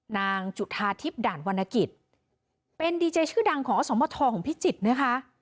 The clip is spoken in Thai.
นางจุธาทิพย์ด่านวรรณกิจเป็นดีเจชื่อดังของอสมทของพิจิตรนะคะ